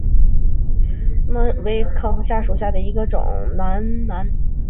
缅南杭子梢为豆科杭子梢属下的一个亚种。